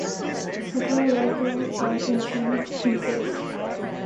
Several local variations exist.